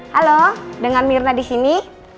halo dengan mirna di sini